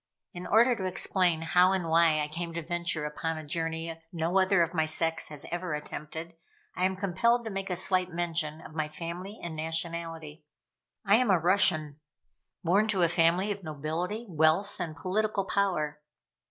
In order to explain how and why I came to venture upon a journey no other of my sex has ever attempted, I am compelled to make a slight mention of my family and nationality. I am a Russian: born to a family of nobility, wealth, and political power.